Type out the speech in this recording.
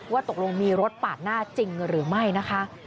ว่าตกลงมีรถปาดหน้าจริงหรือไม่นะคะ